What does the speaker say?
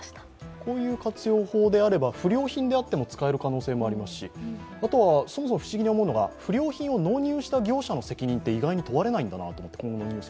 こういう活用法であれば不良品であっても使える可能性がありますしそもそも不思議に思うのが不良品を納入した業者の責任は問われないのかなと。